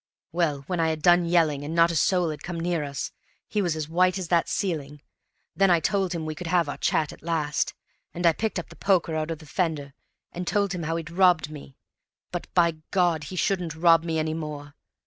Well, when I had done yelling, and not a soul had come near us, he was as white as that ceiling. Then I told him we could have our chat at last; and I picked the poker out of the fender, and told him how he'd robbed me, but, by God, he shouldn't rob me any more.